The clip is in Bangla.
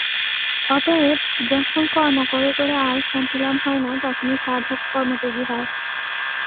অতএব যখন কর্ম করে করে আর শান্তিলাভ হয় না, তখনই সাধক কর্মত্যাগী হয়।